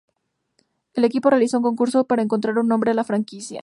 El equipo realizó un concurso para encontrar un "Nombre a la franquicia".